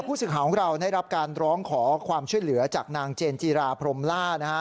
สื่อข่าวของเราได้รับการร้องขอความช่วยเหลือจากนางเจนจีราพรมล่านะฮะ